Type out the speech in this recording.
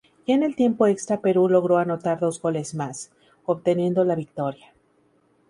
Ya en el tiempo extra Perú logró anotar dos goles más, obteniendo la victoria.